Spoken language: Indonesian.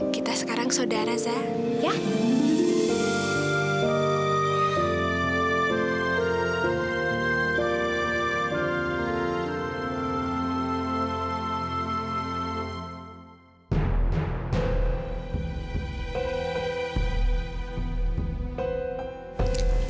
kita sekarang saudara zah